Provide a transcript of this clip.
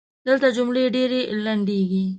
دلته جملې ډېري لنډیږي.